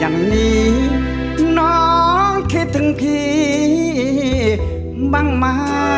นะคะ